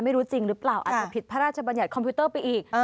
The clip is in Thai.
ไม่รู้จริงหรือเปล่าอาจจะผิดพระราชบัญญัติคอมพิวเตอร์ไปอีก